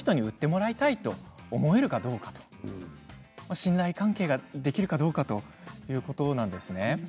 信頼関係ができるかどうかということなんですね。